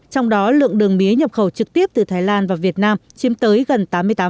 trong đó lượng đường mía nhập khẩu trực tiếp từ thái lan vào việt nam chiếm tới gần tám mươi tám